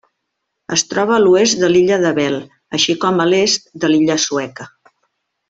Es troba a l'oest de l'illa d'Abel, així com a l'est de l'illa sueca.